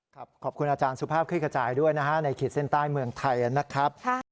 ขอบคุณอาจารย์สุภาพคลิกกระจายด้วยนะฮะในขีดเส้นใต้เมืองไทยนะครับ